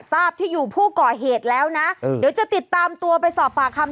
ทราบที่อยู่ผู้ก่อเหตุแล้วนะเดี๋ยวจะติดตามตัวไปสอบปากคำ